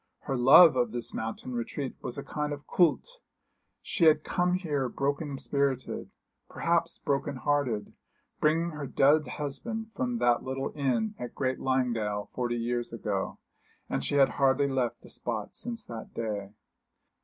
Her love of this mountain retreat was a kind of culte. She had come here broken spirited, perhaps broken hearted, bringing her dead husband from the little inn at Great Langdale forty years ago, and she had hardly left the spot since that day.